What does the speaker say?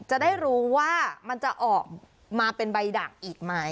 จะได้รู้ว่ามันจะออกมาเป็นใบดักอีกไหม